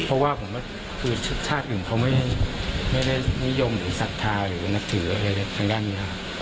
เพราะว่าผมว่าคือชาติอื่นเขาไม่ได้นิยมหรือศรัทธาหรือนับถืออะไรทางด้านนี้นะครับ